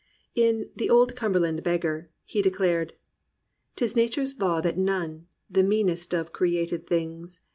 In The Old Cumberland Beggar he declared "'Tis Nature's law That none, the meanest of created things.